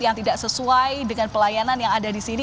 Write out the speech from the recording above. yang tidak sesuai dengan pelayanan yang ada di sini